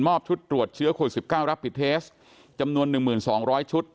ชุดตรวจเชื้อโควิด๑๙รับผิดเทสจำนวน๑๒๐๐ชุด